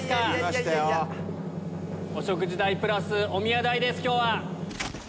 お食事代プラスおみや代です今日は。